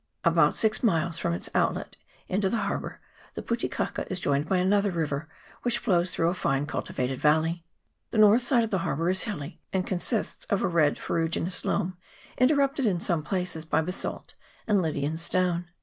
About six miles from its outlet into the harbour the Pu te kaka is joined by another river, which flows through a fine cultivated valley. The north side of the harbour is hilly, and consists of a red ferruginous loam, interrupted in some places by basalt and Lydian stone.